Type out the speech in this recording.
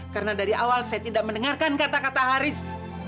karena dari awal saya tidak mendengarkan kata kata haris